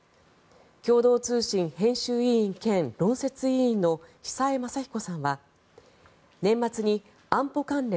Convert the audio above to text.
共同通信編集委員兼論説委員の久江雅彦さんは年末に安保関連